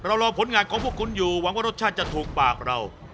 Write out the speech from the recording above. รอผลงานของพวกคุณอยู่หวังว่ารสชาติจะถูกปากเรา